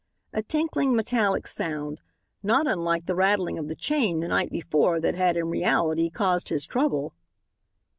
A tinkling, metallic sound, not unlike the rattling of the chain the night before that had, in reality, caused his trouble.